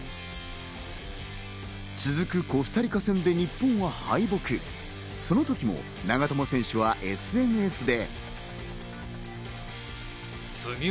続くコスタリカ戦で日本は敗北、その時も長友選手はＳＮＳで。